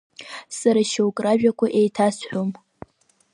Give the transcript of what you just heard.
Сара шьоук ражәақәа еиҭасҳәом…